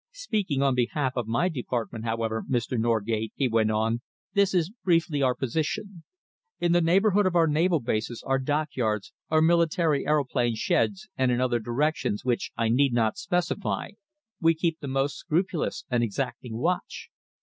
Speaking on behalf of my department, however, Mr. Norgate," he went on, "this is briefly our position. In the neighbourhood of our naval bases, our dockyards, our military aeroplane sheds, and in other directions which I need not specify, we keep the most scrupulous and exacting watch.